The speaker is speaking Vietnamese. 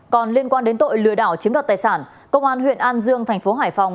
còn liên quan đến tội lừa đảo chiếm đọt tài sản công an huyện an dương tp hải phòng